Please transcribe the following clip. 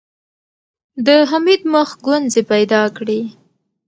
د حميد مخ ګونځې پيدا کړې.